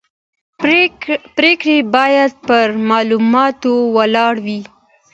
پرېکړې باید پر معلوماتو ولاړې وي